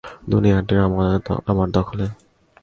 দুনিয়াটা আমার দখলে।